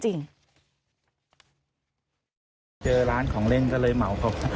เจอร้านของเล่นก็เลยเหมาเขา